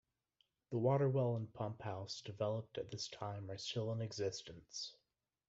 The water well and pump house developed at that time are still in existence.